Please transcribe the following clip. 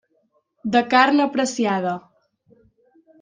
De carn apreciada.